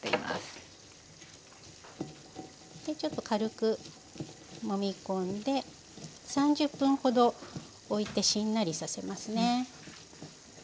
ちょっと軽くもみ込んで３０分ほどおいてしんなりさせますね。